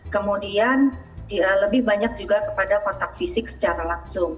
kemudian lebih banyak juga kepada kontak fisik secara langsung